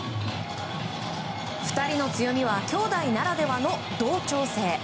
２人の強みはきょうだいならではの同調性。